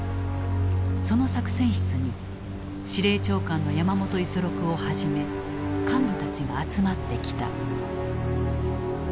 その作戦室に司令長官の山本五十六をはじめ幹部たちが集まってきた。